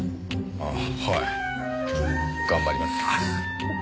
ああはい頑張ります。